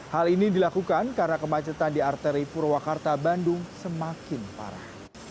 hal ini dilakukan karena kemacetan di arteri purwakarta bandung semakin parah